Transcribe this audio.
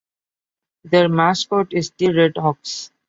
Their mascot is the "RedHawks".